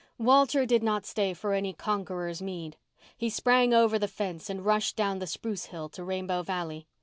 Walter did not stay for any conqueror's meed. He sprang over the fence and rushed down the spruce hill to Rainbow Valley.